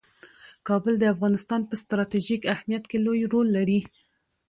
کابل د افغانستان په ستراتیژیک اهمیت کې لوی رول لري.